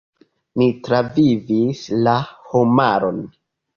"Ni travivis la homaron."